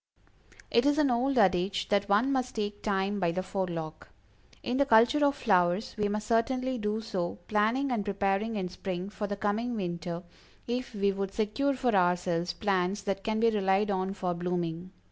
It is an old adage that one must take Time by the forelock. In the culture of flowers, we must certainly do so, planning and preparing in spring for the coming winter, if we would secure for ourselves plants that can be relied on for blooming.